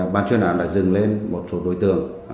ban chuyên án đã dừng lên một số đối tượng